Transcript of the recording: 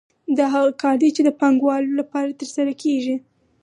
دا هغه کار دی چې د پانګوالو لپاره ترسره کېږي